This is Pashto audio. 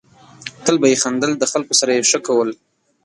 تل به یې خندل ، د خلکو سره یې ښه کول.